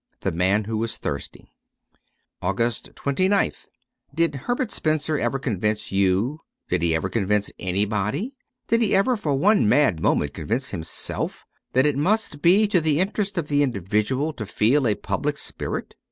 ' The Man who was Thursday* 266 AUGUST 29th DID Herbert Spencer ever convince you — did he ever convince anybody — did he ever for one mad moment convince himself — that it must be to the interest of the individual to feel a public spirit